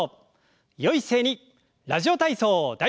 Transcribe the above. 「ラジオ体操第１」。